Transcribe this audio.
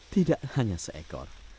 tidak hanya seekor